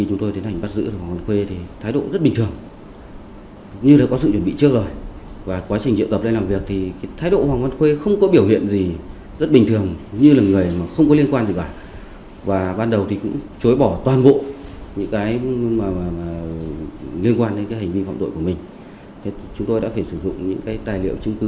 chúng tôi đã phải sử dụng những tài liệu chứng cứ